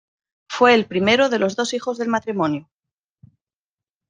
Fue el primero de los dos hijos del matrimonio.